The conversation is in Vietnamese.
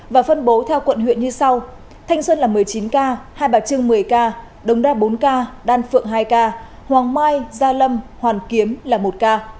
và phân bố theo quận huyện như sau thanh xuân là một mươi chín ca hai bà trưng một mươi ca đống đa bốn ca đan phượng hai ca hoàng mai gia lâm hoàn kiếm là một ca